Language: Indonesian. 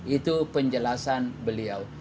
itu penjelasan beliau